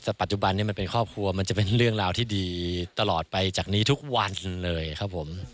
แต่ปัจจุบันนี้มันเป็นครอบครัวมันจะเป็นเรื่องราวที่ดีตลอดไปจากนี้ทุกวันเลยครับผม